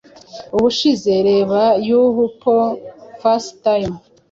Ubushize reba yuh pon FaceTime